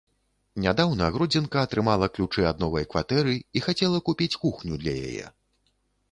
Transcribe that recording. Нядаўна гродзенка атрымала ключы ад новай кватэры і хацела купіць кухню для яе.